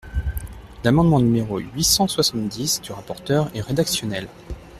L’amendement numéro huit cent soixante-dix du rapporteur est rédactionnel.